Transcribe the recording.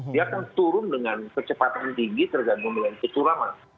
dia akan turun dengan kecepatan tinggi tergantung dengan kecuraman